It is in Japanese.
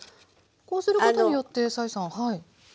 こうすることによって斉さん。